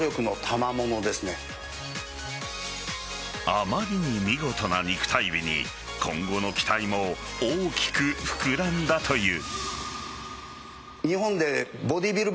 あまりに見事な肉体美に今後の期待も大きく膨らんだという。